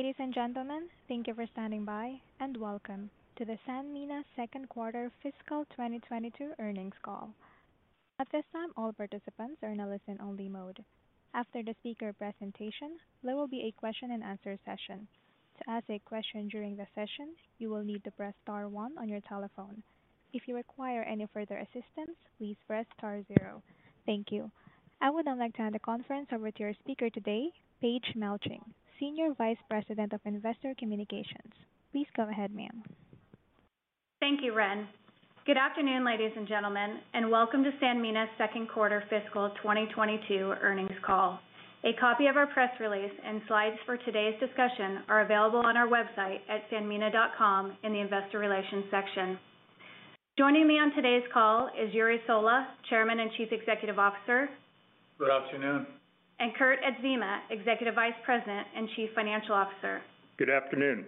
Ladies and gentlemen, thank you for standing by, and welcome to the Sanmina Second Quarter Fiscal 2022 Earnings Call. At this time, all participants are in a listen-only mode. After the speaker presentation, there will be a question-and-answer session. To ask a question during the session, you will need to press star one on your telephone. If you require any further assistance, please press star zero. Thank you. I would now like to hand the conference over to your speaker today, Paige Melching, Senior Vice President of Investor Communications. Please go ahead, ma'am. Thank you, Ren. Good afternoon, ladies and gentlemen, and welcome to Sanmina Second Quarter Fiscal 2022 Earnings Call. A copy of our press release and slides for today's discussion are available on our website at sanmina.com in the investor relations section. Joining me on today's call is Jure Sola, Chairman and Chief Executive Officer. Good afternoon. Kurt Adzema, Executive Vice President and Chief Financial Officer. Good afternoon.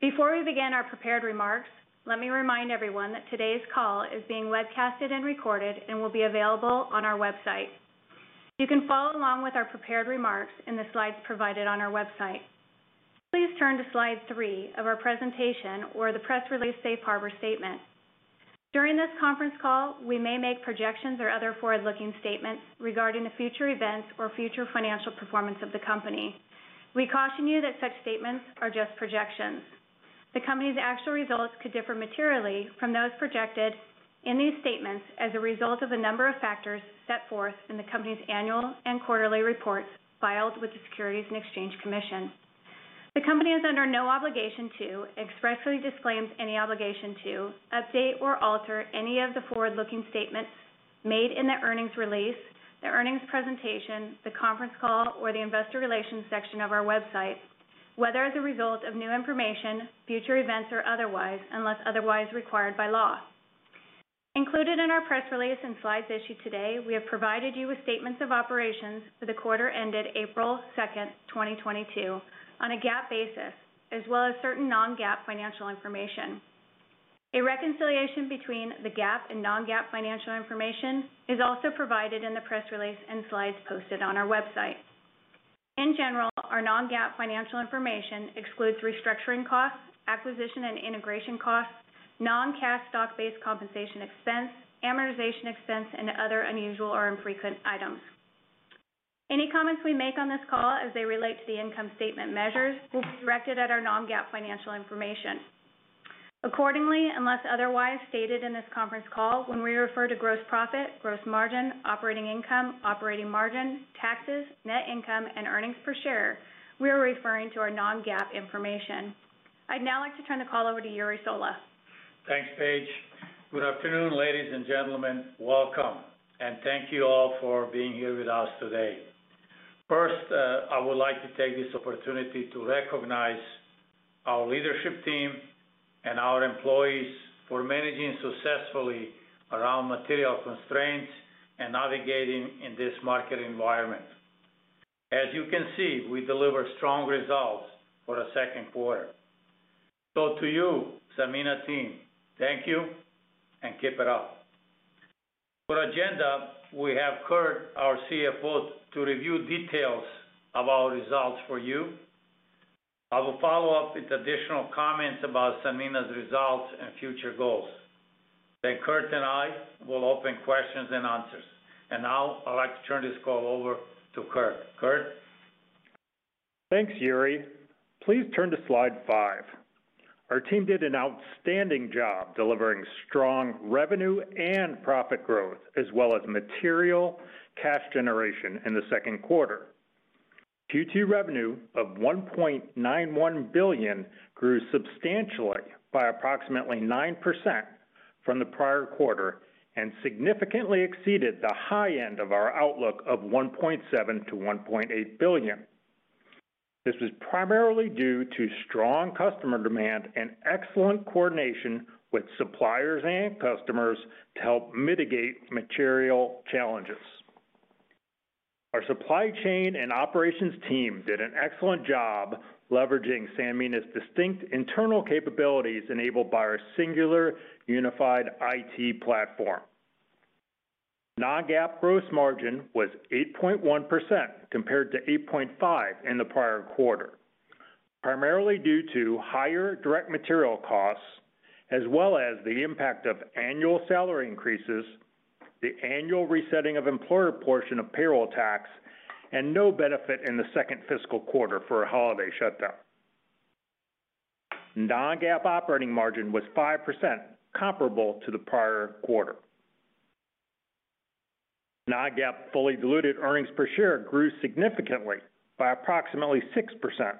Before we begin our prepared remarks, let me remind everyone that today's call is being webcasted and recorded and will be available on our website. You can follow along with our prepared remarks in the slides provided on our website. Please turn to slide three of our presentation or the press release safe harbor statement. During this conference call, we may make projections or other forward-looking statements regarding the future events or future financial performance of the company. We caution you that such statements are just projections. The company's actual results could differ materially from those projected in these statements as a result of a number of factors set forth in the company's annual and quarterly reports filed with the Securities and Exchange Commission. The company is under no obligation to expressly disclaims any obligation to update or alter any of the forward-looking statements made in the earnings release, the earnings presentation, the conference call, or the investor relations section of our website, whether as a result of new information, future events or otherwise, unless otherwise required by law. Included in our press release and slides issued today, we have provided you with statements of operations for the quarter ended April 2, 2022 on a GAAP basis, as well as certain non-GAAP financial information. A reconciliation between the GAAP and non-GAAP financial information is also provided in the press release and slides posted on our website. In general, our non-GAAP financial information excludes restructuring costs, acquisition and integration costs, non-cash stock-based compensation expense, amortization expense, and other unusual or infrequent items. Any comments we make on this call as they relate to the income statement measures will be directed at our non-GAAP financial information. Accordingly, unless otherwise stated in this conference call, when we refer to gross profit, gross margin, operating income, operating margin, taxes, net income, and earnings per share, we are referring to our non-GAAP information. I'd now like to turn the call over to Jure Sola. Thanks, Paige. Good afternoon, ladies and gentlemen. Welcome, and thank you all for being here with us today. First, I would like to take this opportunity to recognize our leadership team and our employees for managing successfully around material constraints and navigating in this market environment. As you can see, we deliver strong results for the second quarter. To you, Sanmina team, thank you and keep it up. For agenda, we have Kurt, our CFO, to review details of our results for you. I will follow up with additional comments about Sanmina's results and future goals. Then Kurt and I will open questions and answers. Now I'd like to turn this call over to Kurt. Kurt. Thanks, Jure. Please turn to slide five. Our team did an outstanding job delivering strong revenue and profit growth, as well as material cash generation in the second quarter. Q2 revenue of $1.91 billion grew substantially by approximately 9% from the prior quarter and significantly exceeded the high end of our outlook of $1.7 billion-$1.8 billion. This was primarily due to strong customer demand and excellent coordination with suppliers and customers to help mitigate material challenges. Our supply chain and operations team did an excellent job leveraging Sanmina's distinct internal capabilities enabled by our singular unified IT platform. Non-GAAP gross margin was 8.1% compared to 8.5% in the prior quarter, primarily due to higher direct material costs, as well as the impact of annual salary increases, the annual resetting of employer portion of payroll tax, and no benefit in the second fiscal quarter for a holiday shutdown. Non-GAAP operating margin was 5% comparable to the prior quarter. Non-GAAP fully diluted earnings per share grew significantly by approximately 6%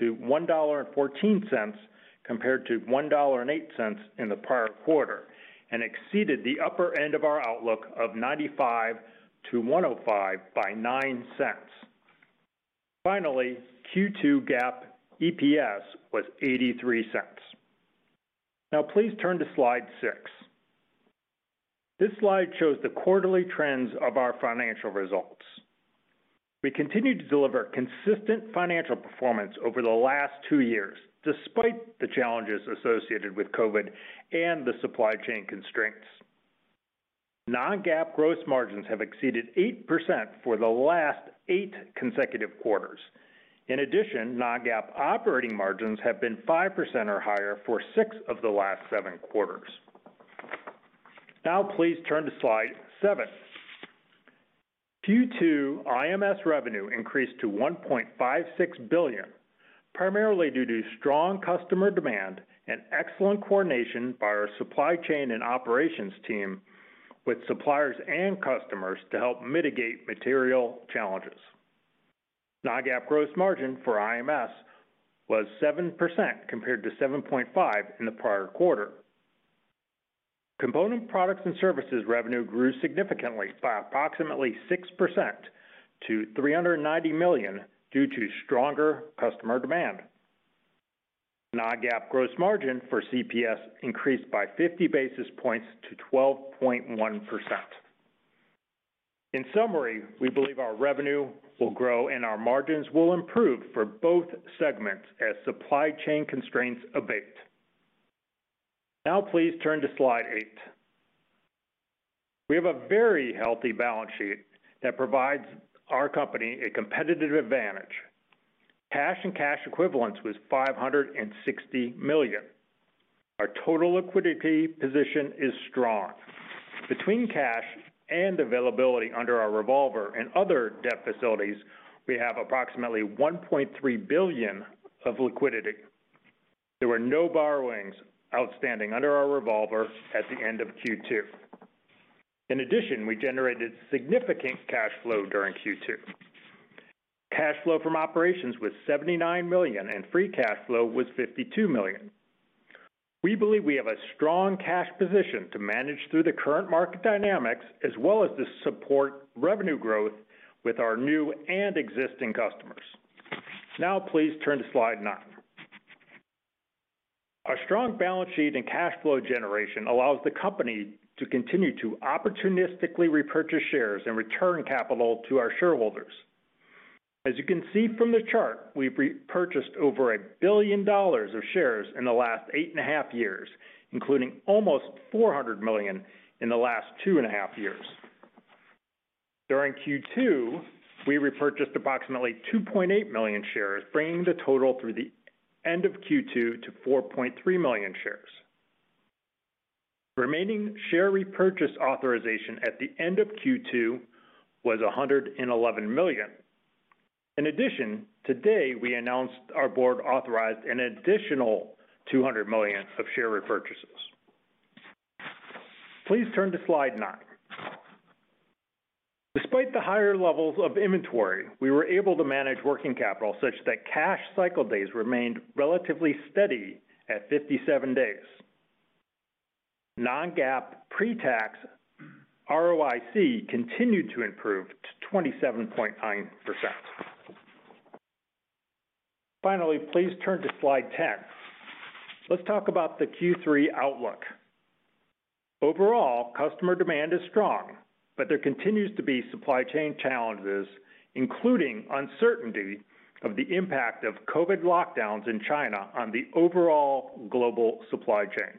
to $1.14 compared to $1.08 in the prior quarter, and exceeded the upper end of our outlook of $0.95-$1.05 by $0.09. Finally, Q2 GAAP EPS was $0.83. Now please turn to slide six. This slide shows the quarterly trends of our financial results. We continue to deliver consistent financial performance over the last two years, despite the challenges associated with COVID and the supply chain constraints. Non-GAAP gross margins have exceeded 8% for the last eight consecutive quarters. In addition, non-GAAP operating margins have been 5% or higher for six of the last seven quarters. Now please turn to slide seven. Q2 IMS revenue increased to $1.56 billion, primarily due to strong customer demand and excellent coordination by our supply chain and operations team with suppliers and customers to help mitigate material challenges. Non-GAAP gross margin for IMS was 7% compared to 7.5% in the prior quarter. Component products and services revenue grew significantly by approximately 6% to $390 million due to stronger customer demand. Non-GAAP gross margin for CPS increased by 50 basis points to 12.1%. In summary, we believe our revenue will grow and our margins will improve for both segments as supply chain constraints abate. Now please turn to slide eight. We have a very healthy balance sheet that provides our company a competitive advantage. Cash and cash equivalents was $560 million. Our total liquidity position is strong. Between cash and availability under our revolver and other debt facilities, we have approximately $1.3 billion of liquidity. There were no borrowings outstanding under our revolver at the end of Q2. In addition, we generated significant cash flow during Q2. Cash flow from operations was $79 million, and free cash flow was $52 million. We believe we have a strong cash position to manage through the current market dynamics as well as to support revenue growth with our new and existing customers. Now please turn to slide nine. Our strong balance sheet and cash flow generation allows the company to continue to opportunistically repurchase shares and return capital to our shareholders. As you can see from the chart, we've repurchased over $1 billion of shares in the last 8.5 years, including almost $400 million in the last 2.5 years. During Q2, we repurchased approximately 2.8 million shares, bringing the total through the end of Q2 to 4.3 million shares. Remaining share repurchase authorization at the end of Q2 was $111 million. In addition, today we announced our board authorized an additional $200 million of share repurchases. Please turn to slide nine. Despite the higher levels of inventory, we were able to manage working capital such that cash cycle days remained relatively steady at 57 days. Non-GAAP pre-tax ROIC continued to improve to 27.9%. Finally, please turn to slide 10. Let's talk about the Q3 outlook. Overall, customer demand is strong, but there continues to be supply chain challenges, including uncertainty of the impact of COVID lockdowns in China on the overall global supply chain.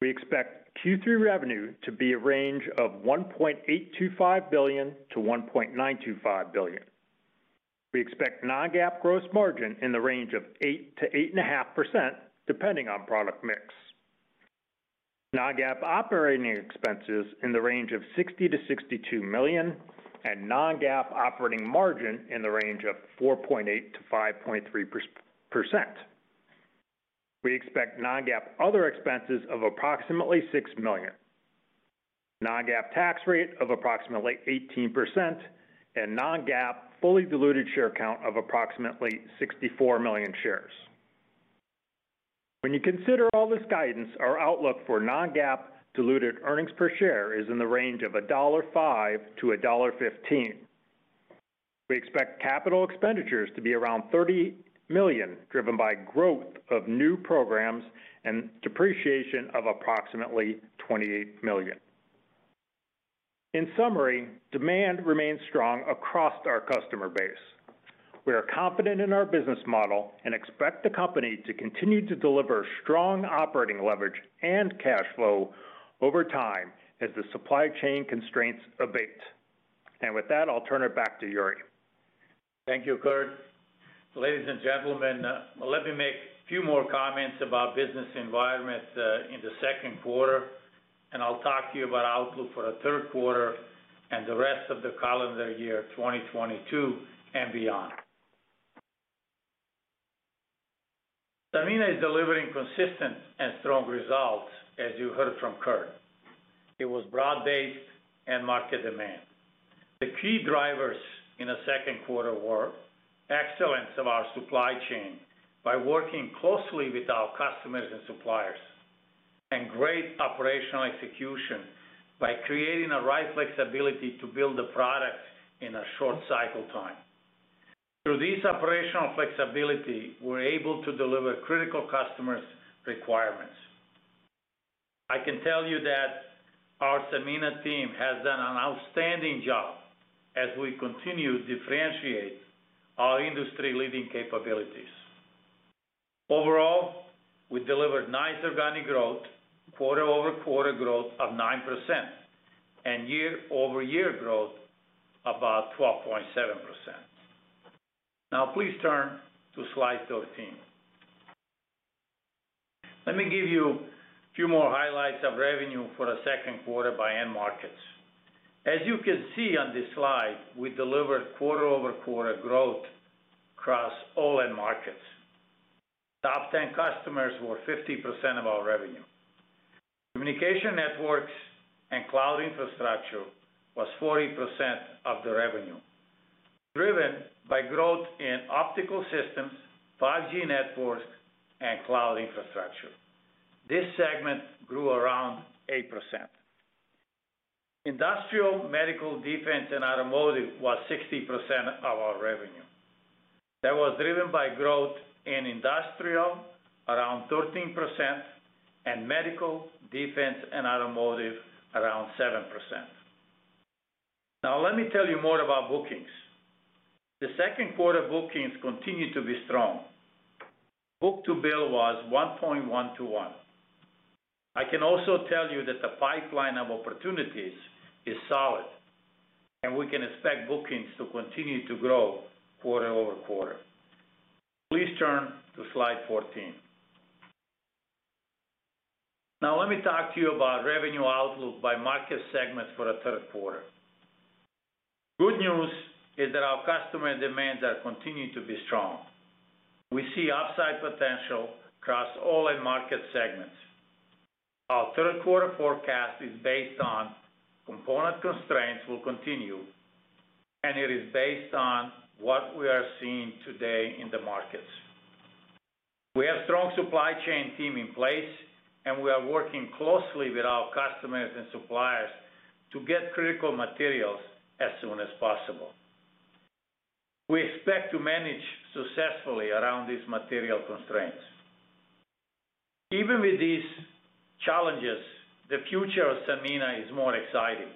We expect Q3 revenue to be a range of $1.825 billion-$1.925 billion. We expect non-GAAP gross margin in the range of 8%-8.5% depending on product mix. Non-GAAP operating expenses in the range of $60 million-$62 million, and non-GAAP operating margin in the range of 4.8%-5.3%. We expect non-GAAP other expenses of approximately $6 million, non-GAAP tax rate of approximately 18%, and non-GAAP fully diluted share count of approximately 64 million shares. When you consider all this guidance, our outlook for non-GAAP diluted earnings per share is in the range of $1.05-$1.15. We expect capital expenditures to be around $30 million, driven by growth of new programs and depreciation of approximately $28 million. In summary, demand remains strong across our customer base. We are confident in our business model and expect the company to continue to deliver strong operating leverage and cash flow over time as the supply chain constraints abate. With that, I'll turn it back to Jure. Thank you, Kurt. Ladies and gentlemen, let me make a few more comments about business environment in the second quarter, and I'll talk to you about outlook for the third quarter and the rest of the calendar year 2022 and beyond. Sanmina is delivering consistent and strong results, as you heard from Kurt. It was broad-based end-market demand. The key drivers in the second quarter were excellence of our supply chain by working closely with our customers and suppliers, and great operational execution by creating the right flexibility to build the products in a short cycle time. Through this operational flexibility, we're able to deliver critical customers' requirements. I can tell you that our Sanmina team has done an outstanding job as we continue to differentiate our industry-leading capabilities. Overall, we delivered nice organic growth, quarter-over-quarter growth of 9% and year-over-year growth about 12.7%. Now please turn to slide 13. Let me give you few more highlights of revenue for the second quarter by end markets. As you can see on this slide, we delivered quarter-over-quarter growth across all end markets. Top ten customers were 50% of our revenue. Communication networks and cloud infrastructure was 40% of the revenue, driven by growth in optical systems, 5G networks, and cloud infrastructure. This segment grew around 8%. Industrial, medical, defense, and automotive was 60% of our revenue. That was driven by growth in industrial, around 13%, and medical, defense, and automotive, around 7%. Now let me tell you more about bookings. The second quarter bookings continued to be strong. Book-to-bill was 1.1 to 1. I can also tell you that the pipeline of opportunities is solid, and we can expect bookings to continue to grow quarter-over-quarter. Please turn to slide 14. Now let me talk to you about revenue outlook by market segments for the third quarter. Good news is that our customer demands are continuing to be strong. We see upside potential across all end-market segments. Our third quarter forecast is based on component constraints will continue, and it is based on what we are seeing today in the markets. We have strong supply chain team in place, and we are working closely with our customers and suppliers to get critical materials as soon as possible. We expect to manage successfully around these material constraints. Even with these challenges, the future of Sanmina is more exciting.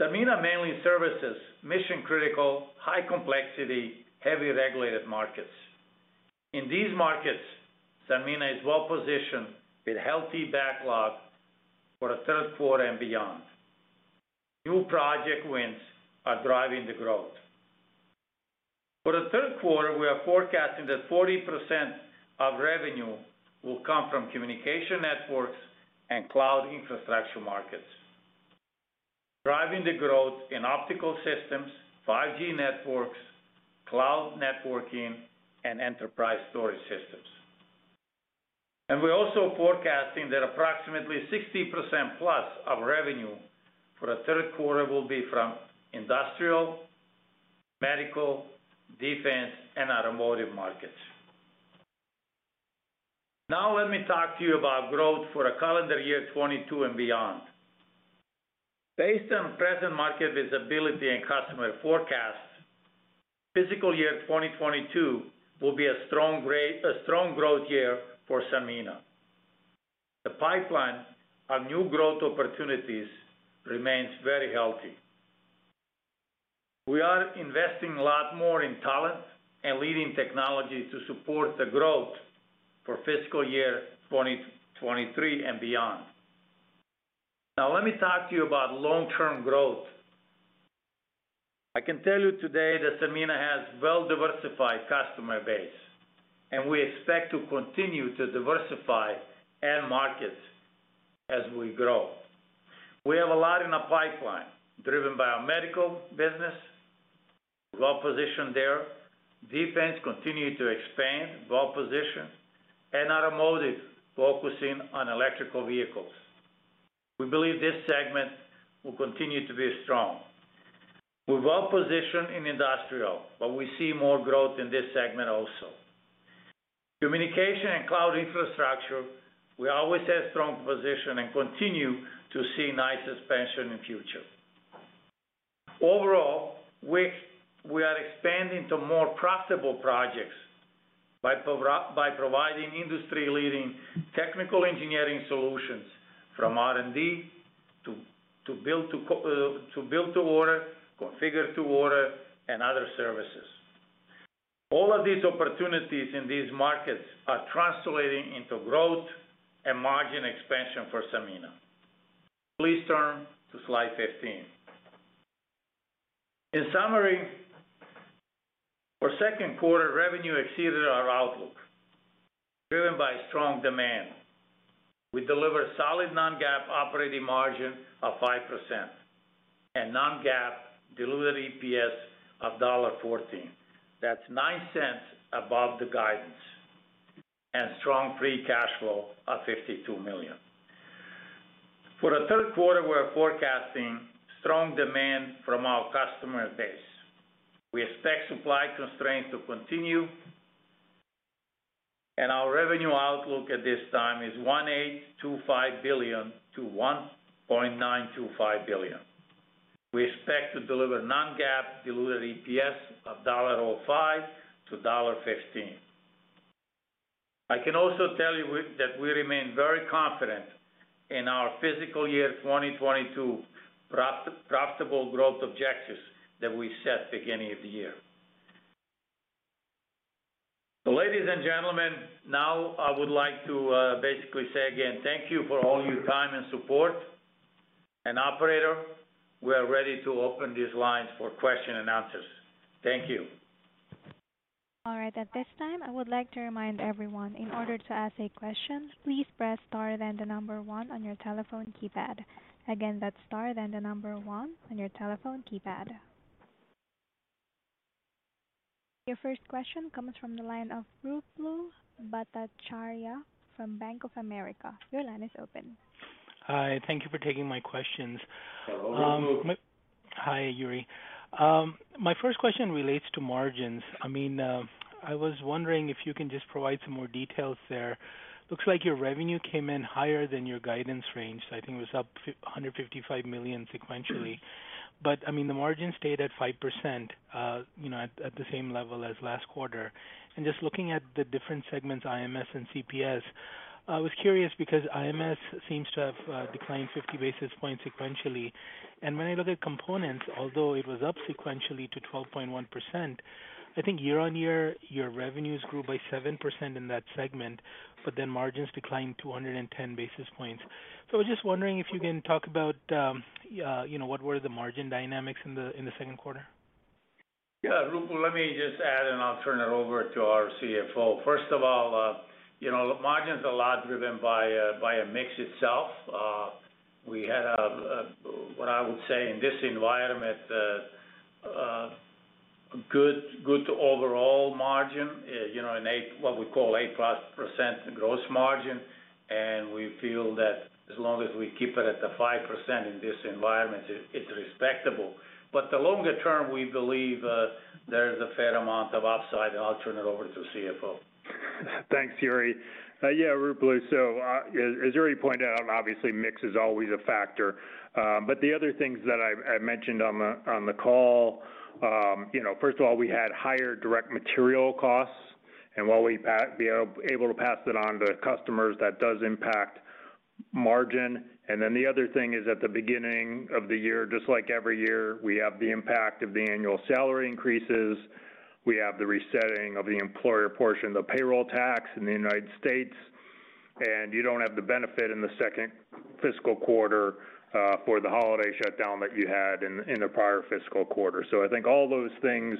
Sanmina mainly services mission-critical, high-complexity, heavy regulated markets. In these markets, Sanmina is well-positioned with healthy backlog for the third quarter and beyond. New project wins are driving the growth. For the third quarter, we are forecasting that 40% of revenue will come from communication networks and cloud infrastructure markets, driving the growth in optical systems, 5G networks, cloud networking, and enterprise storage systems. We're also forecasting that approximately 60%+ of revenue for the third quarter will be from industrial, medical, defense, and automotive markets. Now let me talk to you about growth for the calendar year 2022 and beyond. Based on present market visibility and customer forecasts, fiscal year 2022 will be a strong growth year for Sanmina. The pipeline of new growth opportunities remains very healthy. We are investing a lot more in talent and leading technology to support the growth for fiscal year 2023 and beyond. Now let me talk to you about long-term growth. I can tell you today that Sanmina has well-diversified customer base, and we expect to continue to diversify end markets as we grow. We have a lot in the pipeline driven by our medical business. We're well-positioned there. Defense continues to expand, well-positioned. Automotive, focusing on electric vehicles. We believe this segment will continue to be strong. We're well-positioned in industrial, but we see more growth in this segment also. Communication and cloud infrastructure, we always had strong position and continue to see nice expansion in future. Overall, we are expanding to more profitable projects by providing industry-leading technical engineering solutions from R&D to build to order, configure to order, and other services. All of these opportunities in these markets are translating into growth and margin expansion for Sanmina. Please turn to slide 15. In summary, for second quarter, revenue exceeded our outlook, driven by strong demand. We delivered solid non-GAAP operating margin of 5% and non-GAAP diluted EPS of $1.14. That's $0.09 above the guidance. Strong free cash flow of $52 million. For the third quarter, we're forecasting strong demand from our customer base. We expect supply constraints to continue, and our revenue outlook at this time is $1.825 billion-$1.925 billion. We expect to deliver non-GAAP diluted EPS of $1.05-$1.15. I can also tell you that we remain very confident in our fiscal year 2022 profitable growth objectives that we set beginning of the year. Ladies and gentlemen, now I would like to basically say again, thank you for all your time and support. Operator, we are ready to open these lines for question and answers. Thank you. All right. At this time, I would like to remind everyone, in order to ask a question, please press star, then the number one on your telephone keypad. Again, that's star, then the number one on your telephone keypad. Your first question comes from the line of Ruplu Bhattacharya from Bank of America. Your line is open. Hi. Thank you for taking my questions. Hello, Ruplu. Hi, Jure. My first question relates to margins. I mean, I was wondering if you can just provide some more details there. Looks like your revenue came in higher than your guidance range. I think it was up $555 million sequentially. I mean, the margin stayed at 5%, you know, at the same level as last quarter. Just looking at the different segments, IMS and CPS, I was curious because IMS seems to have declined 50 basis points sequentially. When I look at components, although it was up sequentially to 12.1%, I think year-on-year, your revenues grew by 7% in that segment, but then margins declined 210 basis points. I was just wondering if you can talk about, you know, what were the margin dynamics in the second quarter? Yeah. Ruplu, let me just add, and I'll turn it over to our CFO. First of all, you know, margin's a lot driven by a mix itself. We had a, what I would say in this environment, a good overall margin, you know, in what we call 8%+ gross margin, and we feel that as long as we keep it at the 5% in this environment, it's respectable. The longer term, we believe there's a fair amount of upside. I'll turn it over to CFO. Thanks, Jure. Yeah, Ruplu, as Jure pointed out, obviously mix is always a factor. But the other things that I mentioned on the call, you know, first of all, we had higher direct material costs, and while we were able to pass it on to customers, that does impact margin. Then the other thing is, at the beginning of the year, just like every year, we have the impact of the annual salary increases. We have the resetting of the employer portion of the payroll tax in the United States, and you don't have the benefit in the second fiscal quarter for the holiday shutdown that you had in the prior fiscal quarter. I think all those things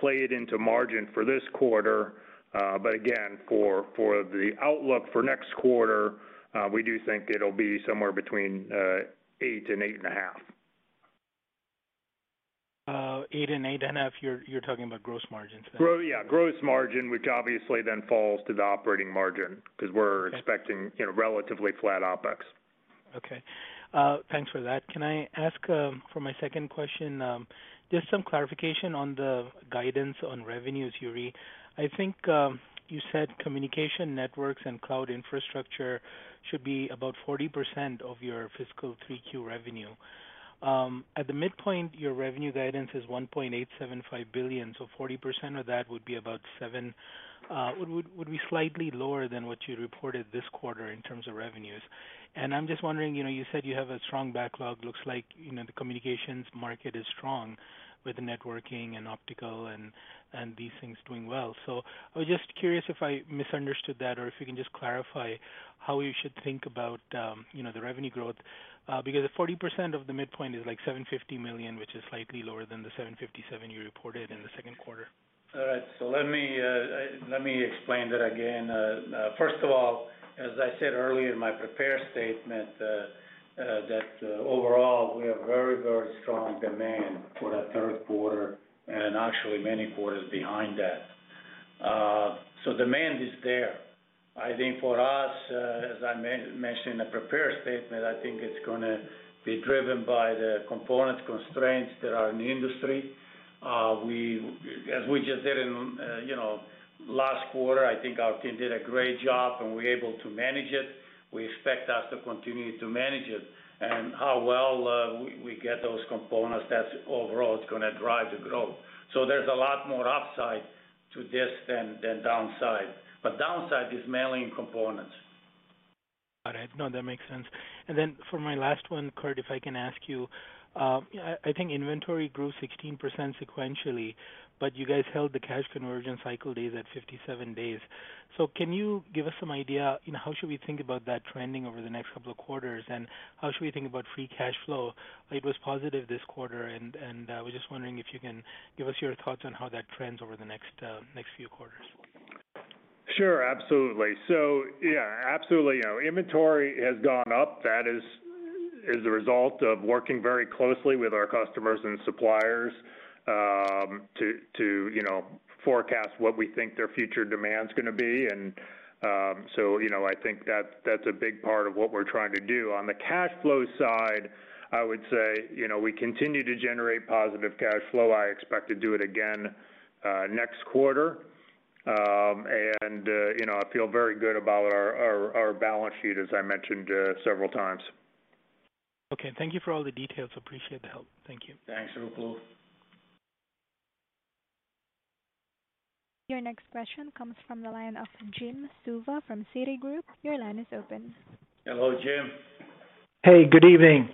played into margin for this quarter. For the outlook for next quarter, we do think it'll be somewhere between 8% and 8.5%. 8%-8.5%, you're talking about gross margins then? Yeah, gross margin, which obviously then falls to the operating margin because we're expecting, you know, relatively flat OpEx. Okay. Thanks for that. Can I ask, for my second question, just some clarification on the guidance on revenues, Jure. I think, you said communication networks and cloud infrastructure should be about 40% of your fiscal 3Q revenue. At the midpoint, your revenue guidance is $1.875 billion, so 40% of that would be about $750 million. Would be slightly lower than what you reported this quarter in terms of revenues. I'm just wondering, you know, you said you have a strong backlog. Looks like, you know, the communications market is strong with the networking and optical and these things doing well. I was just curious if I misunderstood that or if you can just clarify how we should think about, you know, the revenue growth, because the 40% of the midpoint is like $750 million, which is slightly lower than the $757 million you reported in the second quarter. All right, let me explain that again. First of all, as I said earlier in my prepared statement, that overall, we have very, very strong demand for the third quarter and actually many quarters behind that. Demand is there. I think for us, as I mentioned in the prepared statement, I think it's gonna be driven by the component constraints that are in the industry. As we just did in, you know, last quarter, I think our team did a great job, and we're able to manage it. We expect us to continue to manage it. How well we get those components, that's overall, it's gonna drive the growth. There's a lot more upside to this than downside, but downside is mainly in components. All right. No, that makes sense. Then for my last one, Kurt, if I can ask you, I think inventory grew 16% sequentially, but you guys held the cash conversion cycle days at 57 days. Can you give us some idea on how we should think about that trending over the next couple of quarters, and how we should think about free cash flow? It was positive this quarter, and we're just wondering if you can give us your thoughts on how that trends over the next few quarters. Sure. Absolutely. Yeah, absolutely. You know, inventory has gone up. That is a result of working very closely with our customers and suppliers to you know, forecast what we think their future demand's gonna be. You know, I think that's a big part of what we're trying to do. On the cash flow side, I would say, you know, we continue to generate positive cash flow. I expect to do it again next quarter. You know, I feel very good about our balance sheet, as I mentioned several times. Okay, thank you for all the details. Appreciate the help. Thank you. Thanks, Ruplu. Your next question comes from the line of Jim Suva from Citigroup. Your line is open. Hello, Jim. Hey, good evening.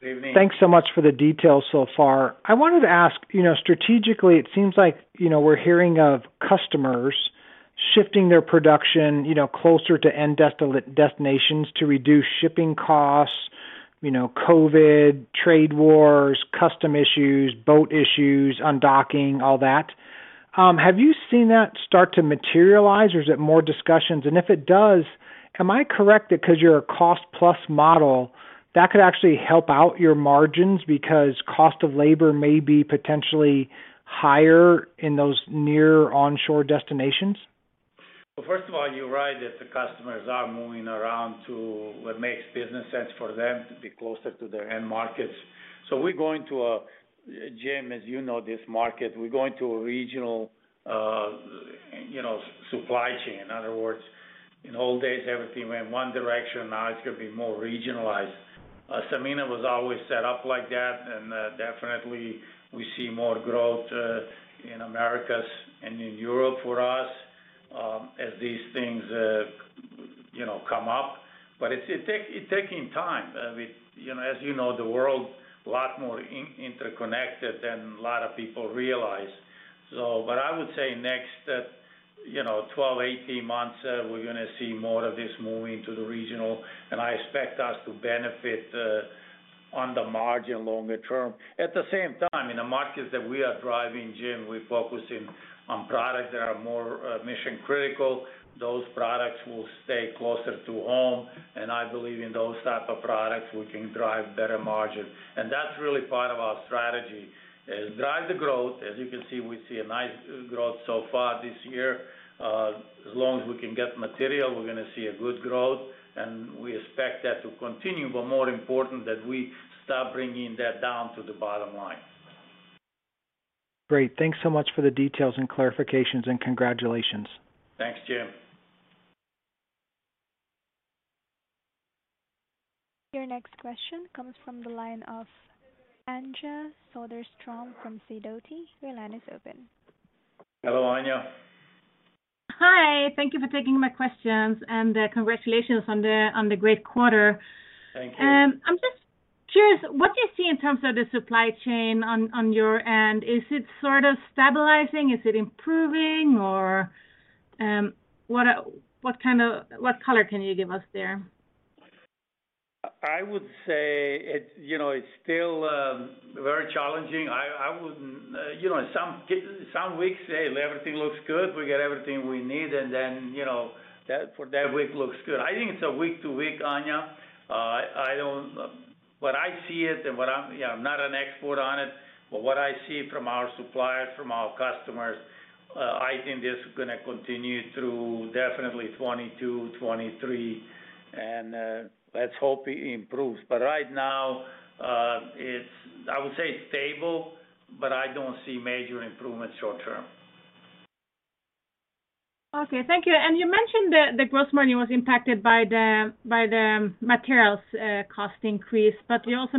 Good evening. Thanks so much for the details so far. I wanted to ask, you know, strategically, it seems like, you know, we're hearing of customers shifting their production, you know, closer to end destinations to reduce shipping costs, you know, COVID, trade wars, customs issues, boat issues, unloading, all that. Have you seen that start to materialize, or is it more discussions? If it does, am I correct that because you're a cost-plus model, that could actually help out your margins because cost of labor may be potentially higher in those near onshore destinations? Well, first of all, you're right that the customers are moving around to what makes business sense for them to be closer to their end markets. We're going to, Jim, as you know, this market, we're going to a regional, you know, supply chain. In other words, in old days, everything went in one direction, now it's gonna be more regionalized. Sanmina was always set up like that, and, definitely we see more growth, in Americas and in Europe for us, as these things, you know, come up. It's taking time. I mean, you know, as you know, the world, a lot more interconnected than a lot of people realize. I would say next, you know, 12, 18 months, we're gonna see more of this moving to the regional, and I expect us to benefit on the margin longer term. At the same time, in the markets that we are driving, Jim, we're focusing on products that are more mission critical. Those products will stay closer to home, and I believe in those type of products, we can drive better margin. That's really part of our strategy, is drive the growth. As you can see, we see a nice growth so far this year. As long as we can get material, we're gonna see a good growth, and we expect that to continue, but more important that we start bringing that down to the bottom line. Great. Thanks so much for the details and clarifications, and congratulations. Thanks, Jim. Your next question comes from the line of Anja Soderstrom from Sidoti. Your line is open. Hello, Anja. Hi. Thank you for taking my questions, and congratulations on the great quarter. Thank you. I'm just curious, what do you see in terms of the supply chain on your end? Is it sort of stabilizing? Is it improving? Or, what color can you give us there? I would say it's, you know, it's still very challenging. I would, you know, in some weeks, hey, everything looks good. We get everything we need and then, you know, that for that week looks good. I think it's week to week, Anja. I don't know what I see and what I'm, you know, I'm not an expert on it, but what I see from our suppliers, from our customers, I think this is gonna continue through definitely 2022, 2023, and let's hope it improves. Right now, it's, I would say, stable, but I don't see major improvements short term. Okay, thank you. You mentioned the gross margin was impacted by the materials cost increase. You also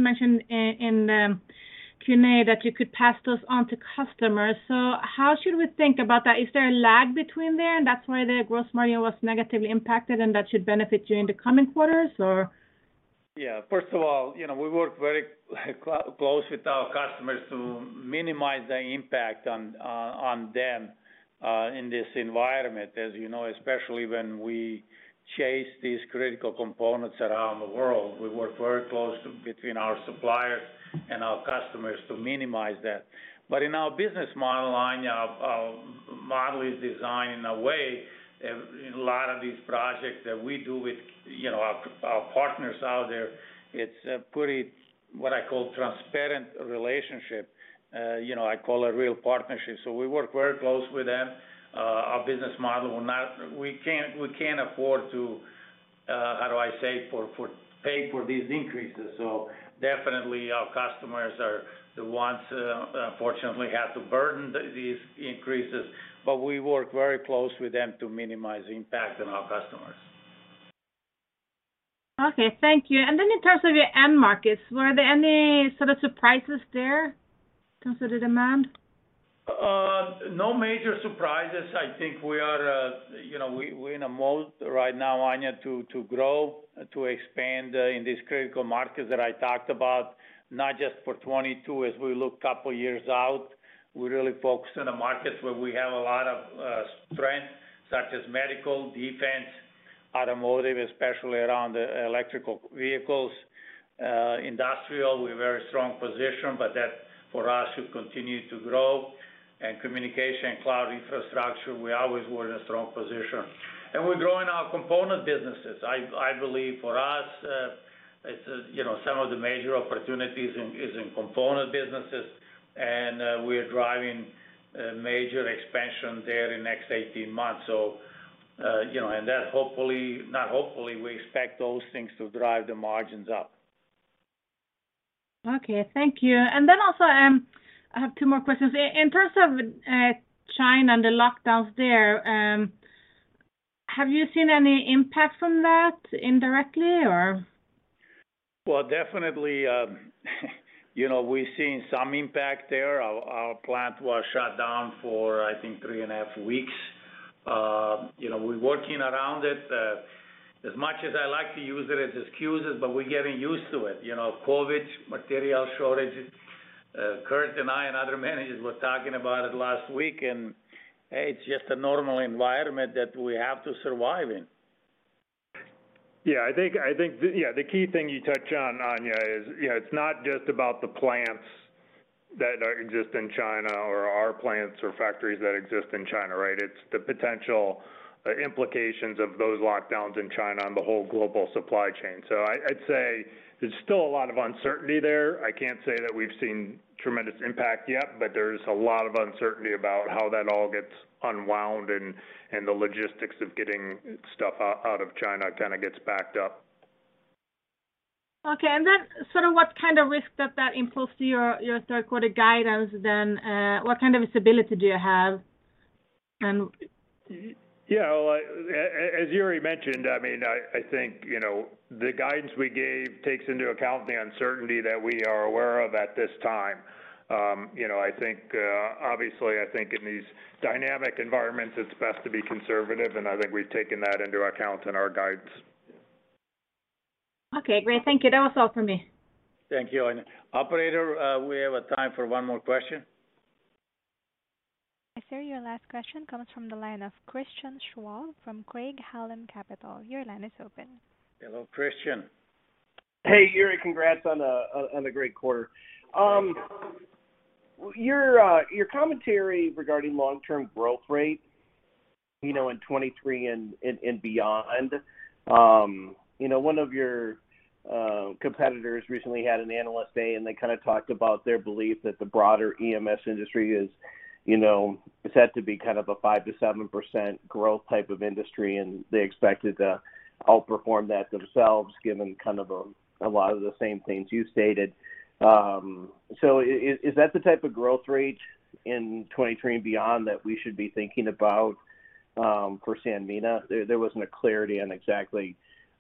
mentioned in Q&A that you could pass those on to customers. How should we think about that? Is there a lag between there and that's why the gross margin was negatively impacted and that should benefit you in the coming quarters or? Yeah. First of all, you know, we work very close with our customers to minimize the impact on them in this environment. As you know, especially when we chase these critical components around the world. We work very close between our suppliers and our customers to minimize that. In our business model, Anja, our model is designed in a way, in a lot of these projects that we do with, you know, our partners out there, it's a pretty, what I call transparent relationship. You know, I call a real partnership. We work very close with them. Our business model, we can't afford to pay for these increases. Definitely our customers are the ones, unfortunately, have to burden these increases. We work very close with them to minimize impact on our customers. Okay, thank you. In terms of your end markets, were there any sort of surprises there in terms of the demand? No major surprises. I think we are, you know, we're in a mode right now, Anja, to grow, to expand, in these critical markets that I talked about, not just for 2022 as we look couple years out. We're really focused on the markets where we have a lot of strength, such as medical, defense, automotive, especially around the electric vehicles. Industrial, we're very strong position, but that for us to continue to grow. Communication, cloud infrastructure, we always were in a strong position. We're growing our component businesses. I believe for us, it's, you know, some of the major opportunities in component businesses, and we are driving a major expansion there in next 18 months. You know, and that hopefully, not hopefully, we expect those things to drive the margins up. Okay, thank you. I have two more questions. In terms of China and the lockdowns there, have you seen any impact from that indirectly? Well, definitely, you know, we've seen some impact there. Our plant was shut down for, I think, 3.5 weeks. You know, we're working around it. As much as I like to use it as excuses, but we're getting used to it. You know, COVID, material shortages. Kurt and I and other managers were talking about it last week, and it's just a normal environment that we have to survive in. Yeah, I think the key thing you touch on, Anja, is, you know, it's not just about the plants that are just in China or our plants or factories that exist in China, right? It's the potential implications of those lockdowns in China and the whole global supply chain. I'd say there's still a lot of uncertainty there. I can't say that we've seen tremendous impact yet, but there's a lot of uncertainty about how that all gets unwound and the logistics of getting stuff out of China kinda gets backed up. Sort of what kind of risk does that impose to your third quarter guidance then, what kind of visibility do you have? Yeah, well, as Jure mentioned, I mean, I think, you know, the guidance we gave takes into account the uncertainty that we are aware of at this time. You know, I think, obviously, I think in these dynamic environments, it's best to be conservative, and I think we've taken that into account in our guidance. Okay, great. Thank you. That was all for me. Thank you, Anja. Operator, we have a time for one more question. Yes, sir. Your last question comes from the line of Christian Schwab from Craig-Hallum Capital Group. Your line is open. Hello, Christian. Hey, Jure. Congrats on a great quarter. Your commentary regarding long-term growth rate, you know, in 2023 and beyond, you know, one of your competitors recently had an analyst day, and they kinda talked about their belief that the broader EMS industry is, you know, said to be kind of a 5%-7% growth type of industry, and they expected to outperform that themselves given kind of a lot of the same things you stated. Is that the type of growth rate in 2023 and beyond that we should be thinking about for Sanmina? There wasn't clarity on exactly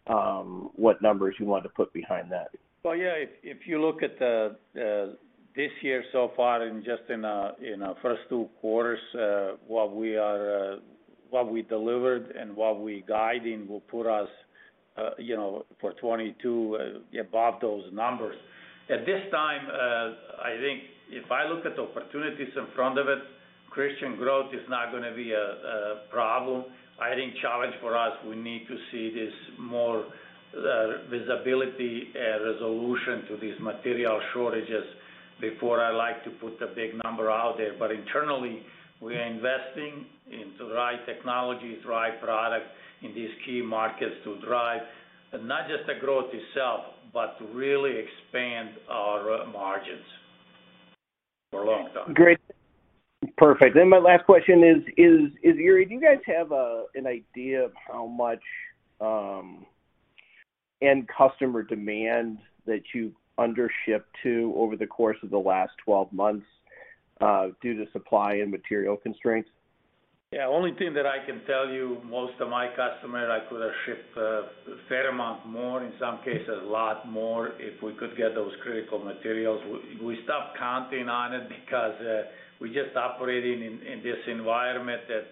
what numbers you want to put behind that. Well, yeah. If you look at this year so far just in our first two quarters, what we delivered and what we're guiding will put us, you know, for 2022 above those numbers. At this time, I think if I look at the opportunities in front of it, Christian, growth is not gonna be a problem. I think challenge for us, we need to see this more visibility and resolution to these material shortages before I like to put a big number out there. Internally, we are investing into the right technologies, right product in these key markets to drive not just the growth itself, but to really expand our margins for long term. Great. Perfect. My last question is, Jure, do you guys have an idea of how much end customer demand that you've undershipped to over the course of the last 12 months due to supply and material constraints? Yeah. Only thing that I can tell you, most of my customers, I could have shipped a fair amount more, in some cases, a lot more, if we could get those critical materials. We stopped counting on it because we're just operating in this environment that,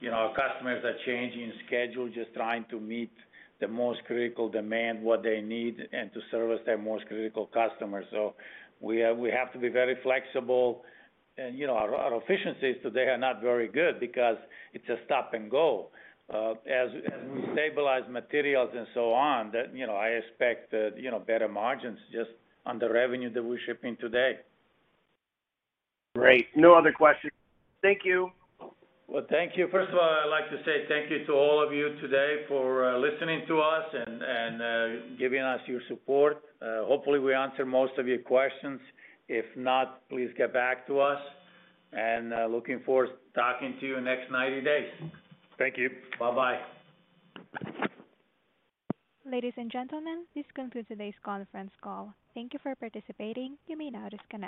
you know, our customers are changing schedule just trying to meet the most critical demand, what they need, and to service their most critical customers. We have to be very flexible. You know, our efficiencies today are not very good because it's a stop and go. As we stabilize materials and so on, then you know, I expect better margins just on the revenue that we're shipping today. Great. No other questions. Thank you. Well, thank you. First of all, I'd like to say thank you to all of you today for listening to us and giving us your support. Hopefully, we answered most of your questions. If not, please get back to us. Looking forward to talking to you in the next 90 days. Thank you. Bye-bye. Ladies and gentlemen, this concludes today's conference call. Thank you for participating. You may now disconnect.